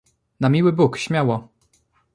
"Na miły Bóg, śmiało!"